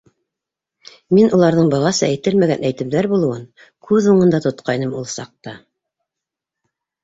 Мин уларҙың бығаса әйтелмәгән әйтемдәр булыуын күҙ уңында тотҡайным ул саҡта.